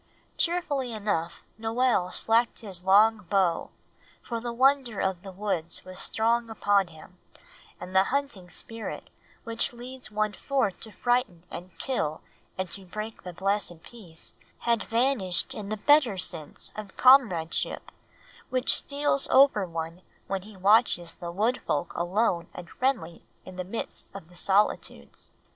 Cheerfully enough Noel slacked his long bow, for the wonder of the woods was strong upon him, and the hunting spirit, which leads one forth to frighten and kill and to break the blessed peace, had vanished in the better sense of comradeship which steals over one when he watches the Wood Folk alone and friendly in the midst of the solitudes.